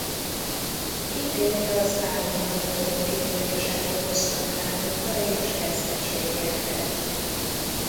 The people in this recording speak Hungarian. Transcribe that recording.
Kitért az állandó török kitörések okozta károkra és veszteségekre.